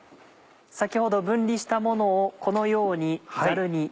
先ほど分離したものをこのようにザルに。